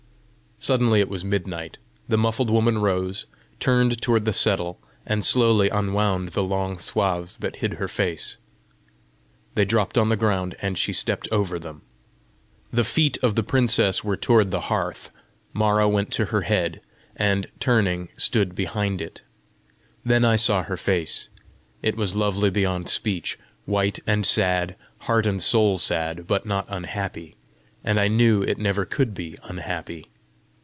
Suddenly it was midnight. The muffled woman rose, turned toward the settle, and slowly unwound the long swathes that hid her face: they dropped on the ground, and she stepped over them. The feet of the princess were toward the hearth; Mara went to her head, and turning, stood behind it. Then I saw her face. It was lovely beyond speech white and sad, heart and soul sad, but not unhappy, and I knew it never could be unhappy.